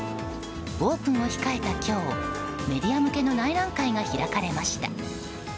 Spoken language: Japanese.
オープンを控えた今日メディア向けの内覧会が開かれました。